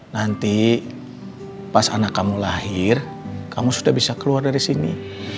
nanti pas anak kamu lahir kamu sudah bisa keluar dari sini